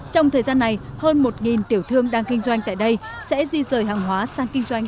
trong thời gian này hơn một tiểu thương đang kinh doanh tại đây sẽ di rời hàng hóa sang kinh doanh